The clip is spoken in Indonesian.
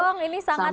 nasi segala macam